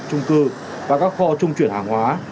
trung cư và các kho trung truyền hàng hóa